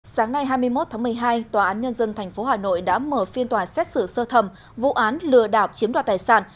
sáng nay hai mươi một tháng một mươi hai tòa án nhân dân tp hà nội đã mở phiên tòa xét xử sơ thẩm vụ án lừa đảo chiếm đoạt tài sản